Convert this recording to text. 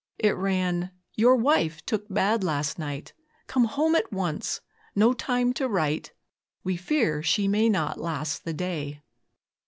It ran, 'Your wife took bad last night; Come home at once no time to write, We fear she may not last the day.'